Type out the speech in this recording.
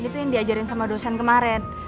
ini tuh yang diajarin sama dosen kemaren